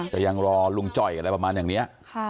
ยังรอลุงจ่อยอะไรประมาณอย่างนี้